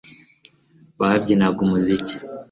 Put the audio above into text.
Babyinaga umuziki